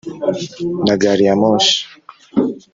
Na gare-ya-moshi